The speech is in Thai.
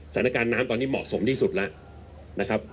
สถานการณ์น้ำตอนนี้เหมาะสมที่สุดแล้วนะครับ